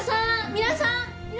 皆さん！